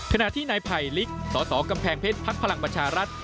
ขณะที่นายไผ่ลิกสสกำแพงเพชรพักพลังประชารัฐ